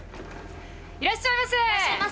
いらっしゃいませ！